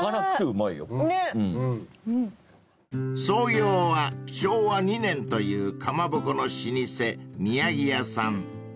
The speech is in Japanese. ［創業は昭和２年というかまぼこの老舗宮城屋さん］